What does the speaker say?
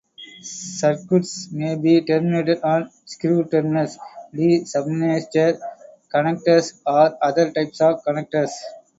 Circuits may be terminated on screw terminals, D-subminiature connectors, or other types of connectors.